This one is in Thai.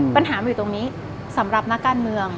ปัญหามันอยู่ตรงนี้สำหรับนักการเมือง